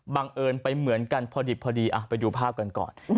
บังเอิญไปเหมือนกันพอดิบพอดีไปดูภาพกันก่อน